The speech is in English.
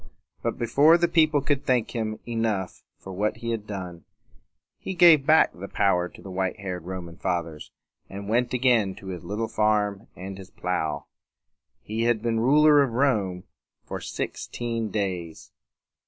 But, before the people could thank him enough for what he had done, he gave back the power to the white haired Roman Fathers, and went again to his little farm and his plow. He had been the ruler of Rome for sixteen days.